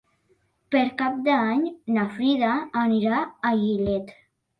Per Cap d'Any na Frida anirà a Gilet.